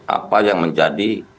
apa yang menjadi